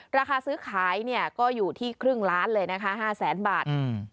ราคาซื้อขายเนี่ยก็อยู่ที่ครึ่งล้านเลยนะคะห้าแสนบาทอืม